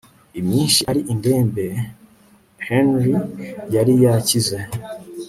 i myinshi ari indembe Henry yari yakize